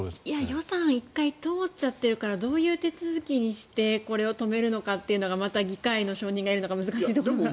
予算１回通っちゃってるからどういう手続きにしてこれを止めるのかっていうのが議会の承認がいるのか難しいところが。